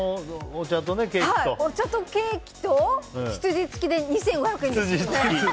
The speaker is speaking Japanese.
お茶とケーキと執事付きで２５００円でしょ。